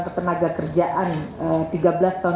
sebenarnya kalau kita lihat di dalam